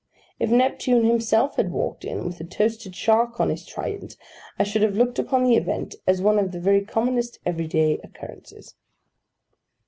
If Neptune himself had walked in, with a toasted shark on his trident, I should have looked upon the event as one of the very commonest everyday occurrences.